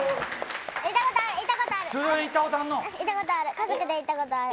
家族で行ったことある。